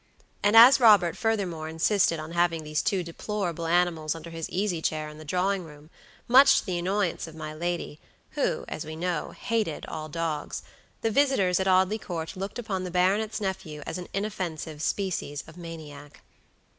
And as Robert furthermore insisted on having these two deplorable animals under his easy chair in the drawing room, much to the annoyance of my lady, who, as we know, hated all dogs, the visitors at Audley Court looked upon the baronet's nephew as an inoffensive species of maniac.